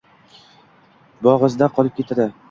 bo‘g‘izda qolib ketadi